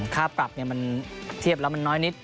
ค่าปรับมันเทียบแล้วมันน้อยนิด